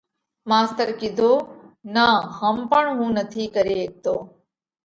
ماستر ڪِيڌو: نا هم پڻ هُون نٿِي ڪري هيڪتو۔